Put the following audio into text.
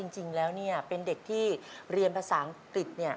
จริงแล้วเป็นเด็กที่เรียนภาษาอังกฤษ